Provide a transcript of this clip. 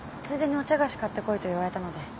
ついでにお茶菓子買ってこいと言われたので。